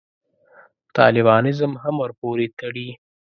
طالبانیزم هم ورپورې تړي.